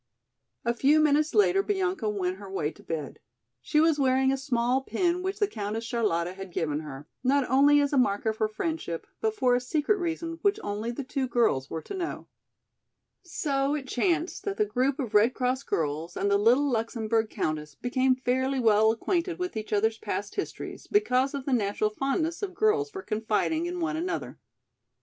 A few minutes later Bianca went her way to bed. She was wearing a small pin which the Countess Charlotta had given her, not only as a mark of her friendship, but for a secret reason which only the two girls were to know. So it chanced that the group of Red Cross girls and the little Luxemburg countess became fairly well acquainted with each other's past histories because of the natural fondness of girls for confiding in one another.